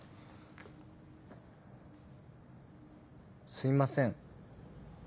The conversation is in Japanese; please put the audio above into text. すいません。